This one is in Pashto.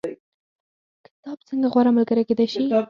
کتاب څنګه غوره ملګری کیدی شي؟